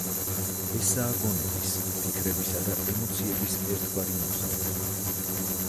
ესაა გონების, ფიქრებისა და ემოციების ერთგვარი მოგზაურობა.